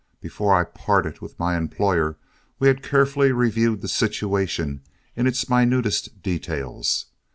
Before I parted with my employer we had carefully reviewed the situation in its minutest details.